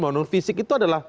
pembangunan fisik itu adalah